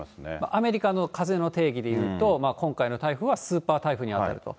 アメリカの風の定義でいうと、今回の台風はスーパー台風に当たると。